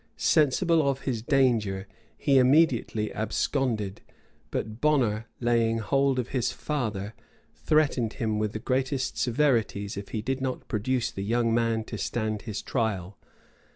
Sensible of his danger, he immediately absconded; but Bonner, laying hold of his father, threatened him with the greatest severities if he did not produce the young man to stand his trial.